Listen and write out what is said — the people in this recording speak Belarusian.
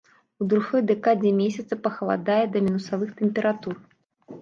У другой дэкадзе месяца пахаладае да мінусавых тэмператур.